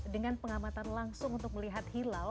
dengan pengamatan langsung untuk melihat hilal